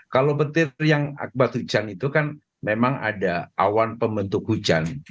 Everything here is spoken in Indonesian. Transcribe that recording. kalau petir yang akbar hujan itu kan memang ada awan pembentuk hujan